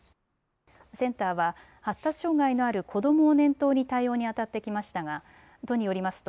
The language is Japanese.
センターは発達障害のある子どもを念頭に対応にあたってきましたが都によりますと